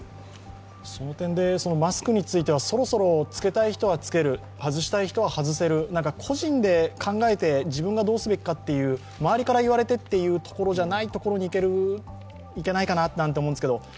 その点でマスクについては、そろそろ着けたい人は着ける、外したい人は外せる、個人で考えて自分がどうすればいいか、周りから言われてというところじゃないところにいけないかなと。